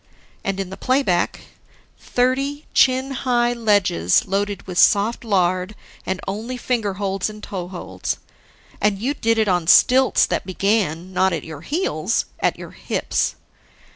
And in the playback: Thirty chin high ledges loaded with soft lard, and only finger holds and toe holds. And you did it on stilts that began, not at your heels, at your hips.